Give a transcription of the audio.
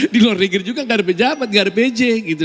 di luar negeri juga nggak ada pejabat nggak ada pj gitu